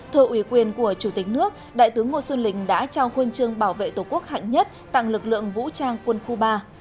thợ ủy quyền của chủ tịch nước đại tướng ngô xuân lịch đã trao khuôn trương bảo vệ tổ quốc hạnh nhất tặng lực lượng vũ trang quân khu ba